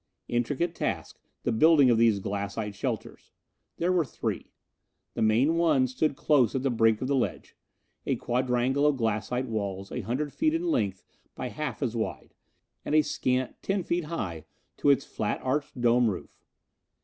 Intricate task, the building of these glassite shelters! There were three. The main one stood close at the brink of the ledge. A quadrangle of glassite walls, a hundred feet in length by half as wide, and a scant ten feet high to its flat arched dome roof.